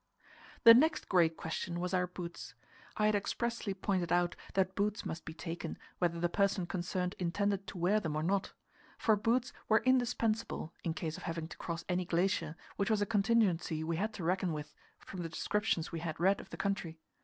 The next great question was our boots. I had expressly pointed out that boots must be taken, whether the person concerned intended to wear them or not; for boots were indispensable, in case of having to cross any glacier, which was a contingency we had to reckon with, from the descriptions we had read of the country.